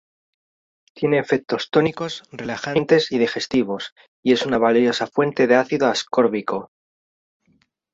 Tiene efectos tónicos, relajantes y digestivos y es una valiosa fuente de ácido ascórbico.